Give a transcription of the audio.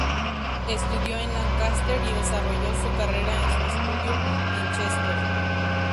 Estudió en Lancaster y desarrolló su carrera en su estudio en Chester.